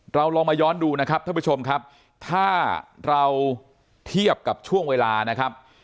เราลองมาย้อนดูนะครับท่านผู้ชมครับถ้าเราเทียบกับช่วงเวลานะครับ